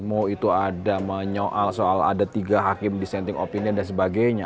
mau itu ada menyoal soal ada tiga hakim dissenting opinion dan sebagainya